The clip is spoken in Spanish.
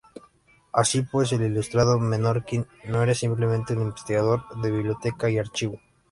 Así pues, el ilustrado menorquín no era simplemente un investigador de biblioteca y archivo.